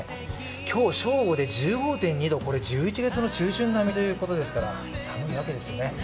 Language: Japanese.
今日、正午で１５．２度、これは１１月中旬並みということですから寒いわけですよね。